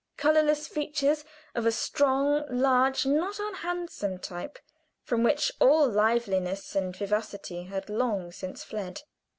Colorless features of a strong, large, not unhandsome type from which all liveliness and vivacity had long since fled.